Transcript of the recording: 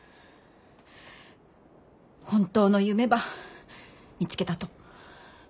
本当の夢ば見つけたと。